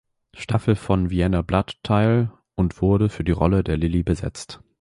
Staffel von "Vienna Blood" teil und wurde für die Rolle der Lily besetzt.